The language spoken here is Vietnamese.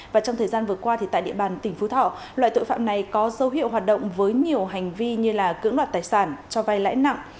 và trong thời gian vừa qua tại địa bàn tỉnh phú thọ loại tội phạm này có dấu hiệu hoạt động với nhiều hành vi như cưỡng đoạt tài sản cho vay lãi nặng